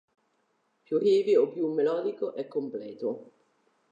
Più heavy o più melodico, è completo.